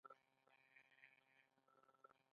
رعیت معنا یې پېول یا څرول دي.